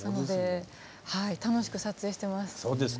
はい楽しく撮影してます。